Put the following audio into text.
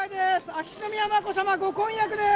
秋篠宮眞子さま、ご婚約です。